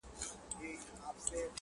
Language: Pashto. زموږ وطن كي اور بل دی.